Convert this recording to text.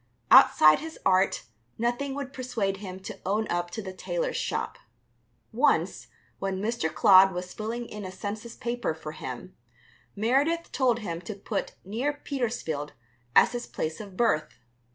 Outside his art, nothing would persuade him to own up to the tailor's shop. Once, when Mr. Clodd was filling in a census paper for him, Meredith told him to put "near Petersfield" as his place of birth.